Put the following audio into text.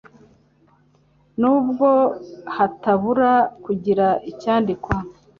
nubwo hatabura kugira icyandikwa